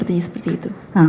iya seperti itu